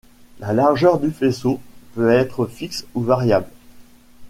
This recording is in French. La largeur du faisceau peut être fixe ou variable.